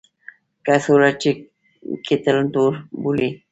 کڅوړه چې کیټل تور بولي.